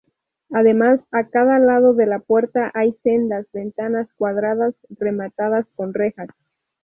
Además, a cada lado de la puerta hay sendas ventanas cuadradas rematadas con rejas.